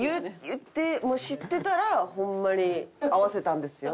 言ってもう知ってたらホンマに合わせたんですよ。